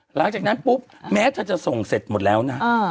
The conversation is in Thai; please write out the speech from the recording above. หลังจากนั้นปุ๊บแม้เธอจะส่งเสร็จหมดแล้วนะ